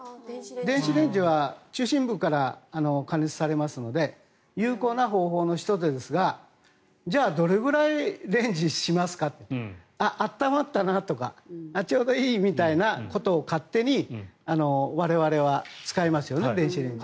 電子レンジは中心部から加熱されますので有効な方法の１つですがじゃあどれぐらいレンジしますかと温まったなとかちょうどいいみたいなことを勝手に我々は使いますよね電子レンジ。